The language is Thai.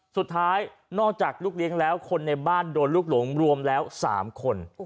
นอกจากลูกเลี้ยงแล้วคนในบ้านโดนลูกหลงรวมแล้ว๓คน